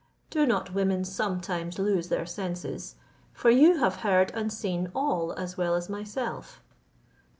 Do not women sometimes lose their senses; for you have heard and seen all as well as myself?"